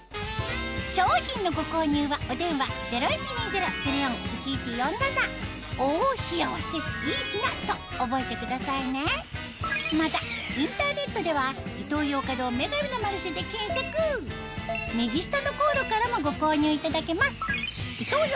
商品のご購入はお電話０１２０−０４−１１４７と覚えてくださいねまたインターネットでは右下のコードからもご購入いただけます